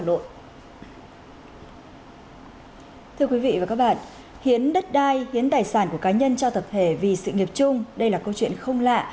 thưa quý vị và các bạn hiến đất đai hiến tài sản của cá nhân cho tập thể vì sự nghiệp chung đây là câu chuyện không lạ